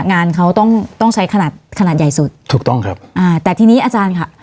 งานเขาต้องต้องใช้ขนาดขนาดใหญ่สุดถูกต้องครับอ่าแต่ทีนี้อาจารย์ค่ะ